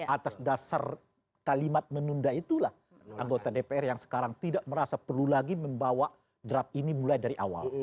atas dasar kalimat menunda itulah anggota dpr yang sekarang tidak merasa perlu lagi membawa draft ini mulai dari awal